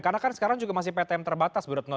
karena kan sekarang juga masih ptm terbatas bu retno